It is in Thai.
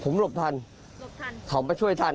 ผมหลบทันเขามาช่วยทัน